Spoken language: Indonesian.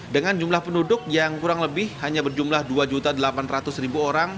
dengan jumlah penduduk yang kurang lebih hanya berjumlah dua delapan ratus orang